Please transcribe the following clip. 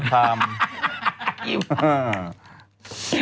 เกี๊ยว